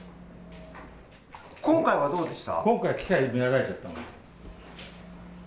今回はどうでした？